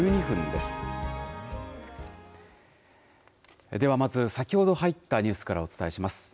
ではまず、先ほど入ったニュースからお伝えします。